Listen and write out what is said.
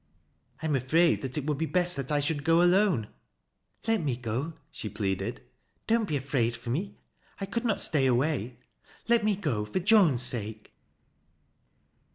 " I am afraid that it would be best that I should go alone." " Let me go," she pleaded. " Don't be afraid for me. I could not stay away. Let me go — for Joan's sake."